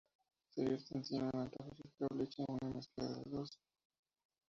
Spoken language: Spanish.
Se vierte encima nata fresca o leche o una mezcla de las dos.